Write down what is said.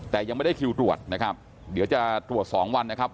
แต่ยังไม่ได้คิวตรวจนะครับเดี๋ยวจะตรวจ๒วันนะครับ